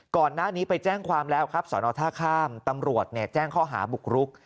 ก่อนหน้านี้ไปแจ้งความแล้วครับสอนอท่าข้ามตำรวจแจ้งข้อหาบุกรุก